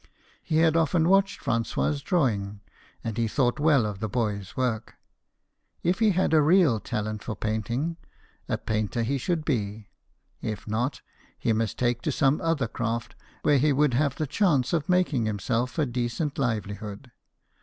He had often watched Fra^ois drawing, and he thought well of the boy's work. If he had a real talent for painting, a painter he should be ; if not, he must take to some other craft, where he would have the chance of making himself a decent livelihood.